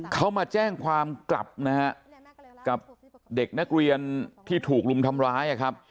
เขามาแจ้งความกลับนะฮะกับเด็กนักเรียนที่ถูกรุมทำร้ายครับ